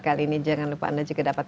kali ini jangan lupa anda juga dapat